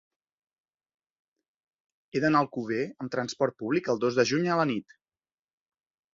He d'anar a Alcover amb trasport públic el dos de juny a la nit.